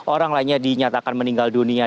tiga belas orang lainnya dinyatakan meninggal dunia